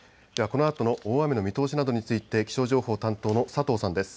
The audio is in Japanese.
このあとの大雨の見通しなどについて気象情報担当の佐藤さんです。